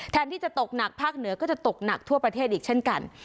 ที่จะตกหนักภาคเหนือก็จะตกหนักทั่วประเทศอีกเช่นกัน